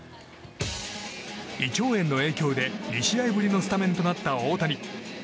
胃腸炎の影響で２試合ぶりのスタメンとなった大谷。